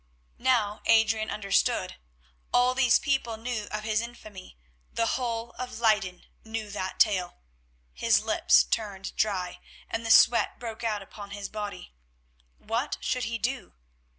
Now Adrian understood. All these people knew of his infamy; the whole of Leyden knew that tale. His lips turned dry, and the sweat broke out upon his body. What should he do?